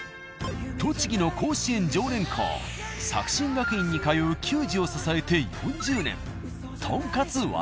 栃木の甲子園常連校作新学院に通う球児を支えて４０年。